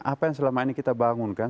apa yang selama ini kita bangunkan